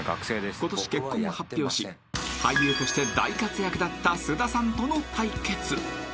［今年結婚を発表し俳優として大活躍だった菅田さんとの対決］